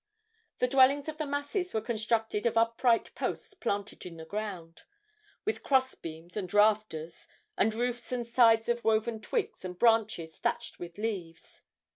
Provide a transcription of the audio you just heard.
The dwellings of the masses were constructed of upright posts planted in the ground, with cross beams and rafters, and roofs and sides of woven twigs and branches thatched with leaves.